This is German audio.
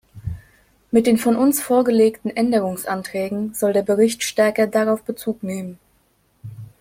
Mit den von uns vorgelegten Änderungsanträgen soll der Bericht stärker darauf Bezug nehmen.